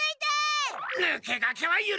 ぬけがけはゆるさん！